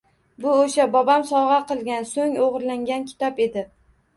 Bu oʻsha, bobom sovgʻa qilgan, soʻng oʻgʻirlangan kitob edi